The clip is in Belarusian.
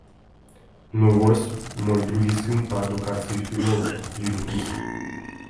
Ну вось, мой другі сын па адукацыі філолаг, лінгвіст.